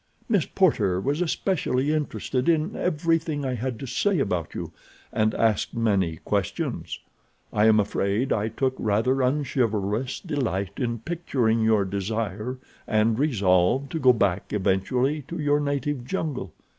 Miss Porter was especially interested in everything I had to say about you, and asked many questions. I am afraid I took a rather unchivalrous delight in picturing your desire and resolve to go back eventually to your native jungle.